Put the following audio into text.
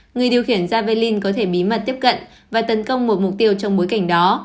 người điều khiển jalin có thể bí mật tiếp cận và tấn công một mục tiêu trong bối cảnh đó